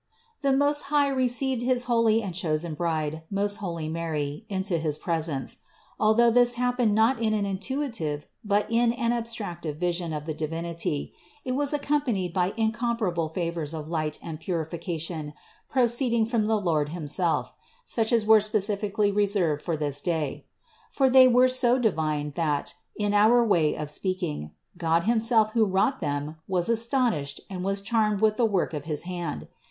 91. The Most High received his holy and chosen Bride, most holy Mary, into his presence. Although this happened not in an intuitive, but in an abstractive vision of the Divinity; it was accompanied with incom parable favors of light and purification proceeding from the Lord himself, such as were specially reserved for this day. For they were so divine, that, in our way of speak ing, God himself who wrought them, was astonished and was charmed with the work of his hand.